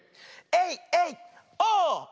エイエイオー！